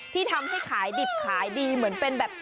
ที่ทำให้ขายดิบขายดีเหมือนเป็นแบบ